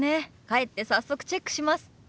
帰って早速チェックします。